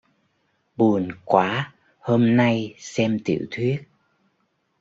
Buồn quá hôm nay xem tiểu thuyết